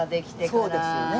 そうですよね。